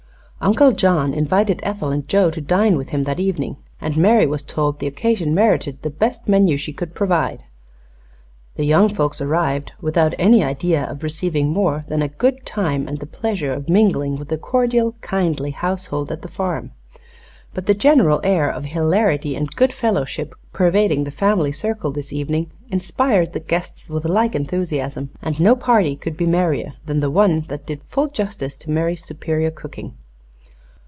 Uncle John invited Ethel and Joe to dine with him that evening, and Mary was told the occasion merited the best menu she could provide. The young folks arrived without any idea of receiving more than a good dinner and the pleasure of mingling with the cordial, kindly household at the farm; but the general air of hilarity and good fellowship pervading the family circle this evening inspired the guests with like enthusiasm, and no party could be merrier than the one that did full justice to Mary's superior cookery.